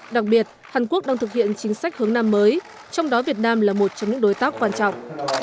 đặc biệt hàn quốc đang thực hiện chính sách hướng nam mới trong đó việt nam là một trong những đối tác quan trọng